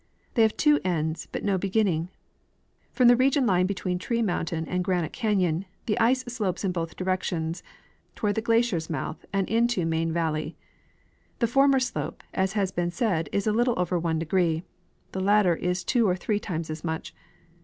They have two ends, but no begin ning. From the region lying between Tree mountain and Granite canyon the ice slopes in both directions toward the glacier's mouth and into Main valley. The former slope, as has been said, is a little over 1° ; the latter is two or three times as much.